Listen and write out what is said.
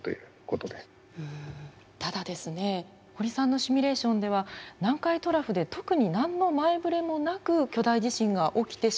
ただですね堀さんのシミュレーションでは南海トラフで特に何の前ぶれもなく巨大地震が起きてしまうパターンもあるということですね。